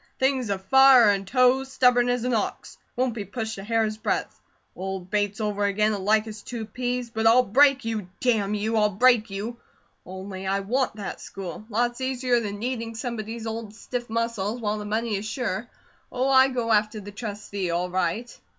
"Thing of fire and tow, stubborn as an ox; won't be pushed a hair's breadth; old Bates over again alike as two peas. But I'll break you, damn you, I'll break you; only, I WANT that school. Lots easier than kneading somebody's old stiff muscles, while the money is sure. Oh, I go after the Trustee, all right!"